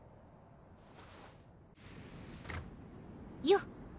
よっ。